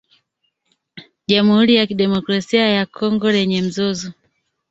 Jamhuri ya kidemokrasia ya Kongo lenye mzozo